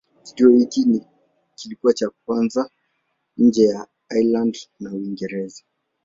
Kituo hiki kilikuwa cha kwanza nje ya Ireland na Uingereza.